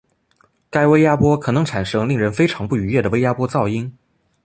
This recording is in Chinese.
该微压波可能产生令人非常不愉悦的微压波噪音。